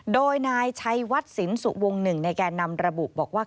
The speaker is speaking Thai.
โดยนายชัยวัดศิลป์สุวงศ์๑ในแกนำระบุบอกว่า